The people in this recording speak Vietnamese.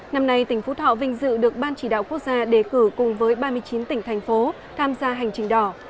năm nay tỉnh phú thọ vinh dự được ban chỉ đạo quốc gia đề cử cùng với ba mươi chín tỉnh thành phố tham gia hành trình đỏ